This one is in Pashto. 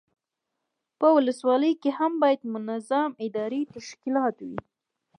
په ولسوالیو کې هم باید منظم اداري تشکیلات وي.